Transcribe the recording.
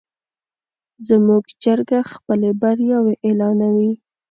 زموږ چرګه خپلې بریاوې اعلانوي.